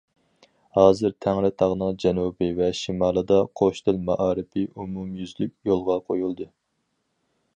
ھازىر تەڭرىتاغنىڭ جەنۇبى ۋە شىمالىدا‹‹ قوش تىل›› مائارىپى ئومۇميۈزلۈك يولغا قويۇلدى.